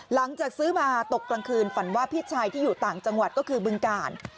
หลังจากซื้อมาตกกลางคืนฝันว่าพี่ชายที่อยู่ต่างจังหวัดก็คือบึงกาล